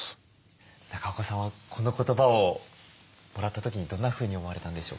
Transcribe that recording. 中岡さんはこの言葉をもらった時にどんなふうに思われたんでしょうか？